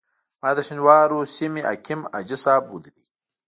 ما د شینوارو سیمې حکیم حاجي صاحب ولیدی.